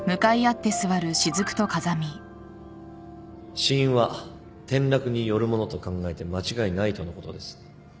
死因は転落によるものと考えて間違いないとのことです。